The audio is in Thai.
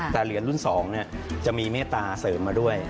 แต่เหรียญรุ่น๒จะมีเมตตาเสริมมาด้วย